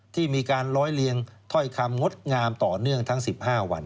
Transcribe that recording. ที่มีการร้อยเลียงถ้อยคำงดงามต่อเนื่องทั้ง๑๕วัน